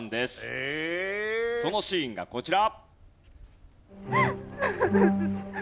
そのシーンがこちら。